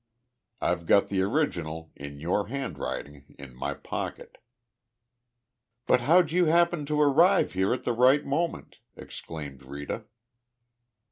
I've got the original, in your handwriting, in my pocket." "But how'd you happen to arrive here at the right moment?" exclaimed Rita.